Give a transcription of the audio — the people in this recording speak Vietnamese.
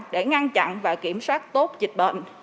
để ngăn chặn và kiểm soát tốt dịch bệnh